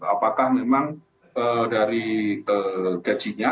apakah memang dari gajinya